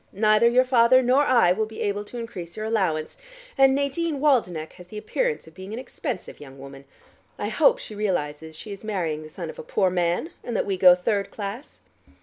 "Neither your father nor I will be able to increase your allowance, and Nadine Waldenech has the appearance of being an expensive young woman. I hope she realizes she is marrying the son of a poor man, and that we go third class."